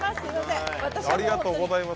ありがとうございます。